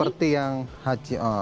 seperti yang haji